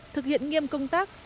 thực hiện nghiêm công tác